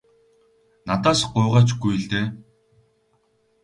Надаас гуйгаа ч үгүй л дээ.